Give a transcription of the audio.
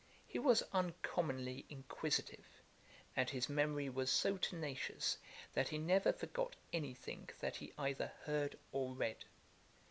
He was uncommonly inquisitive; and his memory was so tenacious, that he never forgot any thing that he either heard or read.